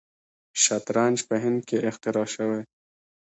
شطرنج په هند کې اختراع شوی.